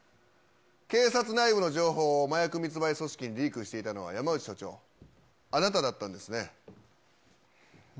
警察内部の情報を麻薬密売組織にリークしていたのは山内署長、なんの話だ。